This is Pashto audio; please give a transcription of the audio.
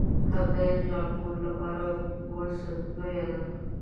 همدا يې د لارښوونې لپاره بسندويه ده.